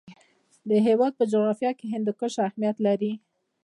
د هېواد جغرافیه کې هندوکش اهمیت لري.